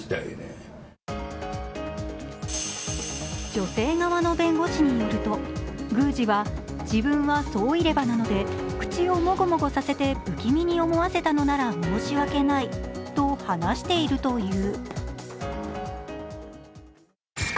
女性側の弁護士によると、宮司は自分は総入れ歯なので口をモゴモゴさせて不気味に思わせたのなら申し訳ないと話しているという。